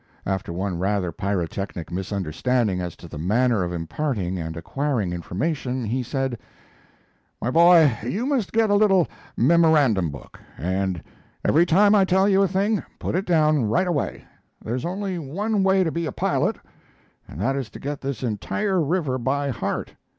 After one rather pyrotechnic misunderstanding as to the manner of imparting and acquiring information he said: "My boy, you must get a little memorandum book, and every time I tell you a thing put it down right away. There's only one way to be a pilot, and that is to get this entire river by heart.